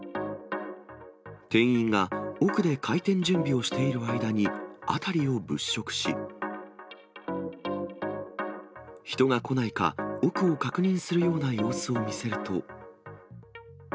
店員が奥で開店準備をしている間に辺りを物色し、人が来ないか、奥を確認するような様子を見せると。